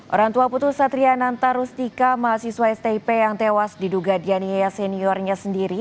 orang tua putus satria nantarustika mahasiswa stip yang tewas diduga diania seniornya sendiri